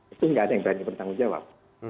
itu nggak ada yang berani bertanggung jawab